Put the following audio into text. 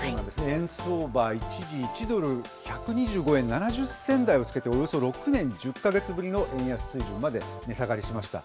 円相場、一時１ドル１２５円７０銭台をつけて、およそ６年１０か月ぶりの円安水準まで値下がりしました。